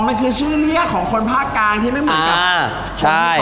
มันคือชื่อเรียกของคนภาคกลางที่ไม่เหมือนกับใช่